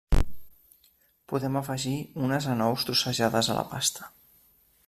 Podem afegir unes anous trossejades a la pasta.